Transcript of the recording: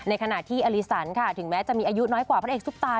ขณะที่อลิสันค่ะถึงแม้จะมีอายุน้อยกว่าพระเอกซุปตา